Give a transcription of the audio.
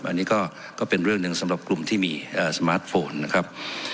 อันนี้ก็เป็นเรื่องหนึ่งสำหรับกลุ่มที่มีสมาร์ทโฟนนะครับ